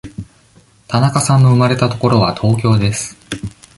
田中さんの生まれた所は東京です。